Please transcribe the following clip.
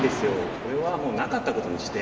これはもうなかったことにして。